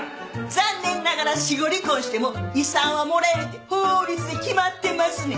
残念ながら死後離婚しても遺産はもらえるって法律で決まってますねん。